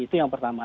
itu yang pertama